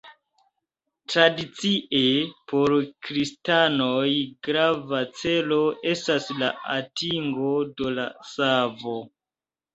Tradicie, por kristanoj, grava celo estas la atingo de la savo.